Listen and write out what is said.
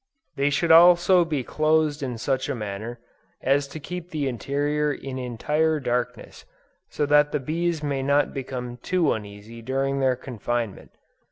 They should also be closed in such a manner, as to keep the interior in entire darkness, so that the bees may not become too uneasy during their confinement.